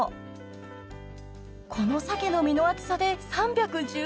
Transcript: ［このさけの身の厚さで３１４円］